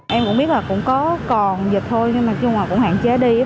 em cũng biết là cũng có còn dịch thôi nhưng mà chung là cũng hạn chế đi